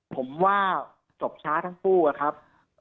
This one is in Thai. ผมว่าจบช้าทั้งคู่อะครับ